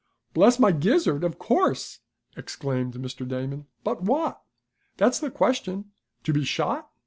"Bless my gizzard, of course!" exclaimed Mr. Damon. "But what? That's the question. To be shot!